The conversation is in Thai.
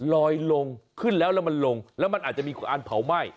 ลอยลงขึ้นแล้วแล้วมันลงแล้วมันอาจจะมีการเผาไหม้